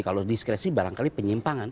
kalau diskresi barangkali penyimpangan